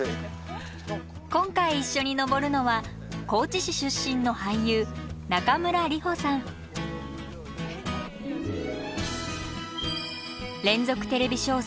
今回一緒に登るのは高知市出身の連続テレビ小説